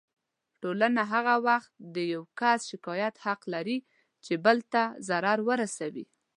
ټولنه هغه وخت د يو کس شکايت حق لري چې بل ته ضرر ورسوي.